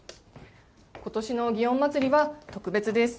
ことしの祇園祭は特別です。